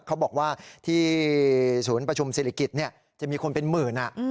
เขาบอกว่าที่ศูนย์ประชุมศิริกิจจะมีคนเป็นหมื่น